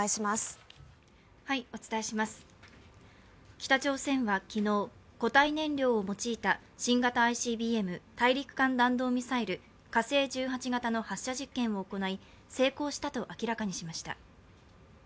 北朝鮮は昨日、固体燃料を用いた新型ＩＣＢＭ＝大陸間弾道ミサイル火星１８型の発射実験を行い成功したと明らかにしました。